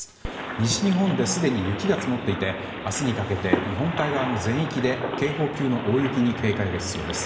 西日本ですでに雪が積もっていて明日にかけて日本海側の全域で警報級の大雪に警戒が必要です。